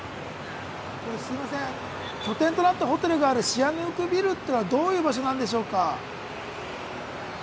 拠点となったホテルがあるシアヌークビルはどういう場所なんでしょうか？